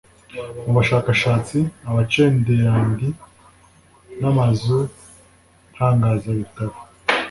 mu bashakashatsi (abacengerandi) n'amazu ntangazabitabo